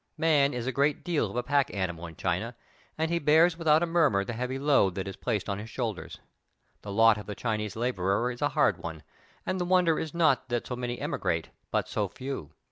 Man 186 THE TALKING HANDKEECHIEP. is a good deal of a pack animal in China, and he bears without a murmur the heavy load that is placed on his shoulders. The lot of the Chinese laborer is a hard one, and the wonder is not that so many emigrate but so few.